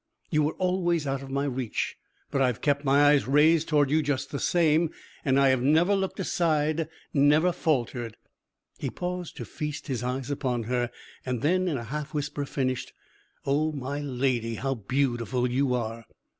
You were always out of my reach, but I have kept my eyes raised toward you just the same, and I have never looked aside, never faltered." He paused to feast his eyes upon her, and then in a half whisper finished, "Oh, my Lady, how beautiful you are!"